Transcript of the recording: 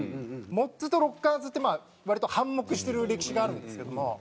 モッズとロッカーズってまあ割と反目してる歴史があるんですけども。